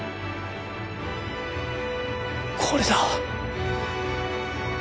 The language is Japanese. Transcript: これだ。